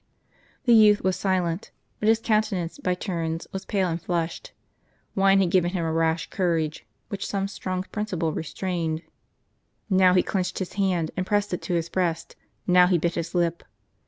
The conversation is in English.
The youth was silent ; but his countenance, by turns, was pale and flushed. Wine had given him a rash courage, which some strong principle restrained. ISTow he clenched his hand, and pressed it to his breast; now he bit his lip.